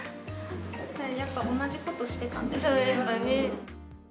やっぱ同じことしてたんだね。